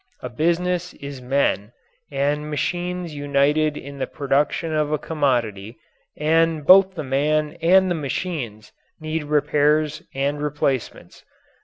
A business is men and machines united in the production of a commodity, and both the man and the machines need repairs and replacements.